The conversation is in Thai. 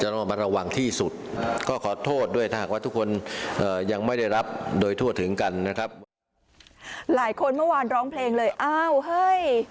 หลายคนเมื่อวานร้องเพลงเลยอ้าวเฮ้ย